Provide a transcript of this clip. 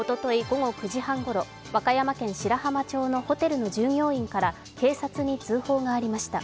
午後９時半ごろ和歌山県白浜町のホテルの従業員から警察に通報がありました。